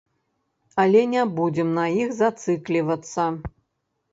Але не будзем на іх зацыклівацца.